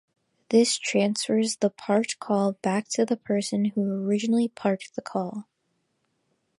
This transfers the parked call back to the person who originally parked the call.